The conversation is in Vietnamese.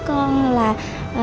đem cho con đường làng dài vàng hẹp